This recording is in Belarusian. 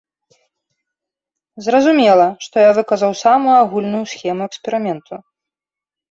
Зразумела, што я выказаў самую агульную схему эксперыменту.